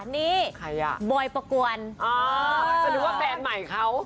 นี่บอยประกวนอ๋อแสดงว่าแฟนใหม่เขา